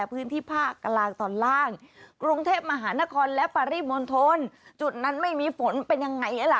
พื้นที่ภาคกลางตอนล่างกรุงเทพมหานครและปริมณฑลจุดนั้นไม่มีฝนเป็นยังไงล่ะ